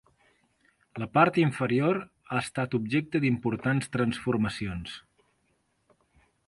La part inferior ha estat objecte d'importants transformacions.